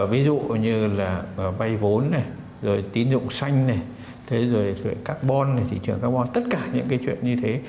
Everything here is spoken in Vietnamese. ví dụ như là vay vốn này rồi tín dụng xanh này thế rồi carbon này thị trường carbon tất cả những cái chuyện như thế